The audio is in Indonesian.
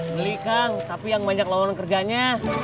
beli kang tapi yang banyak lawanan kerjanya